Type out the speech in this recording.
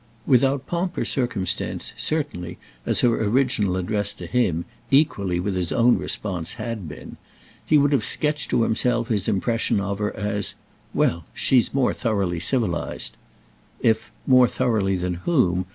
Without pomp or circumstance, certainly, as her original address to him, equally with his own response, had been, he would have sketched to himself his impression of her as: "Well, she's more thoroughly civilized—!" If "More thoroughly than _whom?